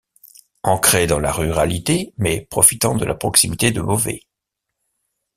Ancrée dans la ruralité mais profitant de la proximité de Beauvais.